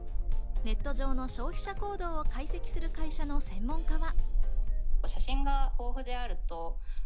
ネット上の消費者行動を解析する会社の専門家は。